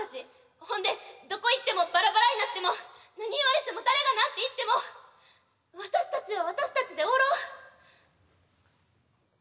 ほんでどこ行ってもバラバラになっても何言われても誰が何と言っても私たちは私たちでおろう？